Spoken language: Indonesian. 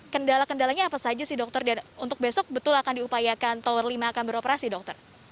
kendala kendalanya apa saja sih dokter dan untuk besok betul akan diupayakan tower lima akan beroperasi dokter